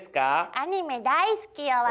アニメ大好きよ私。